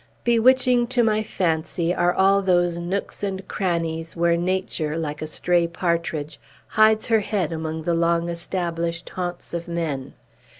Bewitching to my fancy are all those nooks and crannies where Nature, like a stray partridge, hides her head among the long established haunts of men!